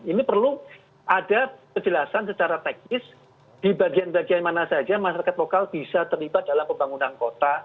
ini perlu ada kejelasan secara teknis di bagian bagian mana saja masyarakat lokal bisa terlibat dalam pembangunan kota